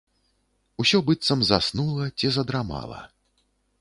Усё быццам заснула ці задрамала.